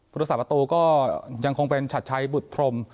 ภูติศาสตร์ประตูก็ยังคงเป็นฉัดใช้บุดพรม